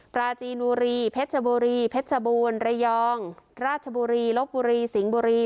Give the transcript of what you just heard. ปราจีนบุรีเพชรบุรีเพชรบูรณ์ระยองราชบุรีลบบุรีสิงห์บุรี